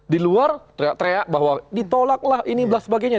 di luar teriak bahwa ditolaklah ini belas sebagainya